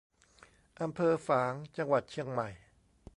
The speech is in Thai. อำเภอฝาง จังหวัดเชียงใหม่